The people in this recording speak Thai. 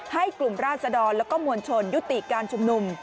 กลุ่มราศดรแล้วก็มวลชนยุติการชุมนุม